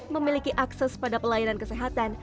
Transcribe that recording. memiliki akses pada pelayanan kesehatan